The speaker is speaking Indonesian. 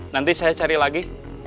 nanti saya cari lagi